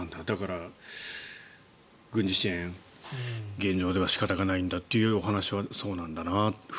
だから軍事支援、現状では仕方がないんだというお話はそうなんだな